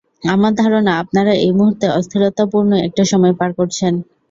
আমার ধারণা, আপনারা এই মুহূর্তে অস্থিরতাপূর্ন একটা সময় পার করছেন!